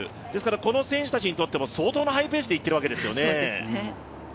この選手たちにとっても相当なハイペースで行ってるわけですよね。